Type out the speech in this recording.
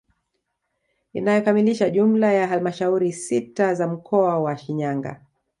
Inayokamilisha jumla ya halmashauri sita za mkoa wa Shinyanga